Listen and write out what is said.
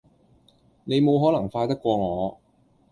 你冇可能快得過我